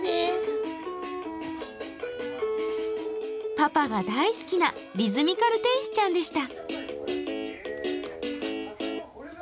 パパが大好きなリズミカル天使ちゃんでした。